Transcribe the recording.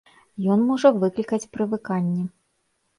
Ён можа выклікаць прывыканне.